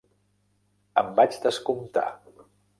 Em vaig descomptar.